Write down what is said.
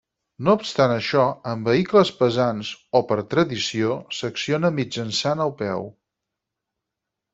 No obstant això, en vehicles pesants o per tradició s'acciona mitjançant el peu.